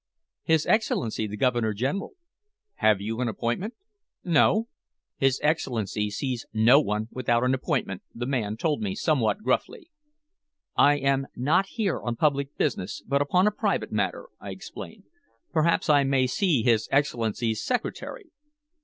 "His Excellency, the Governor General." "Have you an appointment?" "No." "His Excellency sees no one without an appointment," the man told me somewhat gruffly. "I am not here on public business, but upon a private matter," I explained. "Perhaps I may see his Excellency's secretary?"